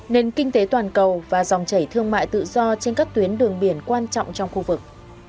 nền kinh tế toàn cầu và dòng chảy thương mại tự do trên các tuyến đường biển quan trọng trong khu vực